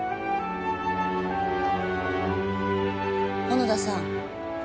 小野田さん。